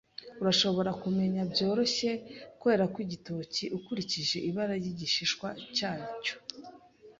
Urashobora kumenya byoroshye kwera kw igitoki ukurikije ibara ryigishishwa cyacyo